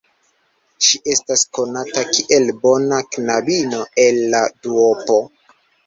Ŝi estas konata kiel bona knabino el la duopo.